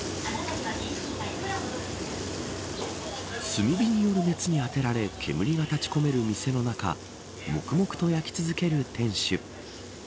炭火による熱にあてられ煙が立ち込める店の中黙々と焼き続ける店主。